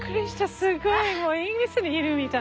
すごい！